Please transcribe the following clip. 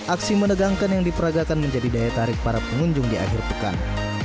aksi menegangkan yang diperagakan menjadi daya tarik para pengunjung di akhir pekan